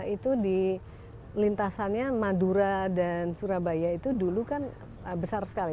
itu di lintasannya madura dan surabaya itu dulu kan besar sekali